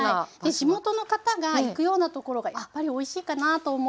地元の方が行くようなところがやっぱりおいしいかなと思って。